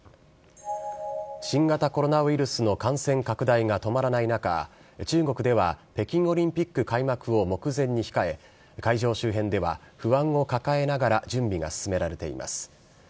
新型コロナウイルスの感染拡大が止まらない中、中国では北京オリンピック開幕を目前に控え、会場周辺では、不安を抱えながら、準備が進められています。